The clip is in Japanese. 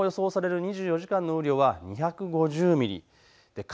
今後、予想される２４時間の雨量は２５０ミリ。